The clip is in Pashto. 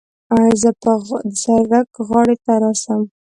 زه به د سړک غاړې ته راسم.